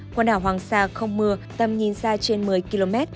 quần đảo hoàng sa không mưa tầm nhìn xa trên một mươi km